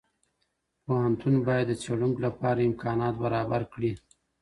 پوهنتون باید د څېړونکو لپاره امکانات برابر کړي.